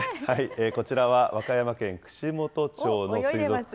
こちらは、和歌山県串本町の水族館。